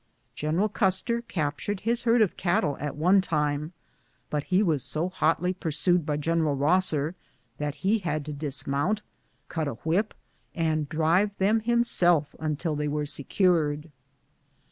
General Custer captured his herd of cattle at one time, but he was so hotlj pursued by General liosser that he had to dismount, cut a whip, and drive them himself until they were secured.